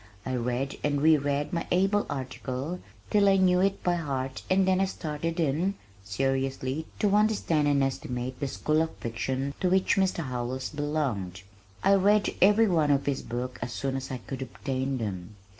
I read and re read my "able article" till I knew it by heart and then I started in, seriously, to understand and estimate the school of fiction to which Mr. Howells belonged. I read every one of his books as soon as I could obtain them.